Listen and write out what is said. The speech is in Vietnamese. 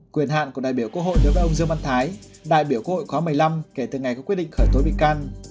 quyền hạn của đại biểu quốc hội đối với ông dương văn thái đại biểu quốc hội khóa một mươi năm kể từ ngày có quyết định khởi tố bị can